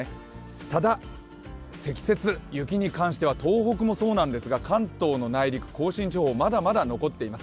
ただ積雪、行きに関しては東北もそうなんてずが、関東の内陸、甲信地方、まだまだ残っています。